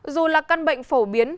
dù là căn bệnh phổ biến